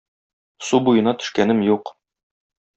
Су буена төшкәнем юк